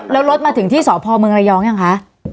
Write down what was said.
แล้วรถมาถึงที่สพมยยังคะ